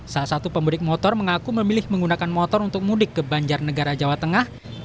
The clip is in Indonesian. salah satu pemudik motor mengaku memilih menggunakan motor untuk mudik ke banjarnegara jawa tengah